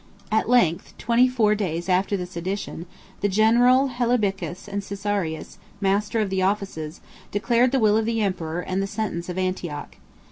At length, twenty four days after the sedition, the general Hellebicus and Caesarius, master of the offices, declared the will of the emperor, and the sentence of Antioch.